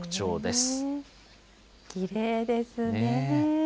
きれいですね。